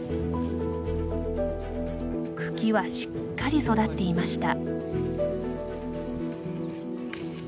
茎はしっかり育っていました。